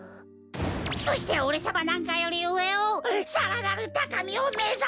そしておれさまなんかよりうえをさらなるたかみをめざせってか！